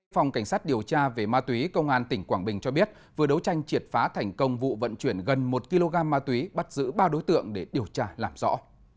phòng cảnh sát điều tra về ma túy công an tỉnh quảng bình cho biết vừa đấu tranh triệt phá thành công vụ vận chuyển gần một kg ma túy bắt giữ ba đối tượng để điều tra làm rõ